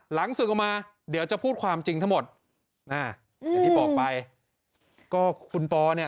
ศึกออกมาเดี๋ยวจะพูดความจริงทั้งหมดอ่าอย่างที่บอกไปก็คุณปอเนี่ย